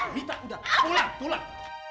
mita udah pulang pulang